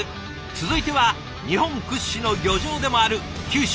続いては日本屈指の漁場でもある九州